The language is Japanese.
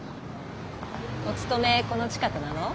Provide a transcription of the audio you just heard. お勤めこの近くなの？